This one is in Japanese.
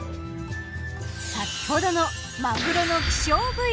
先ほどのマグロの稀少部位